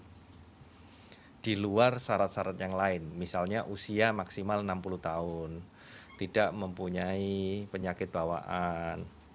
hai diluar syarat syarat yang lain misalnya usia maksimal enam puluh tahun tidak mempunyai penyakit bawaan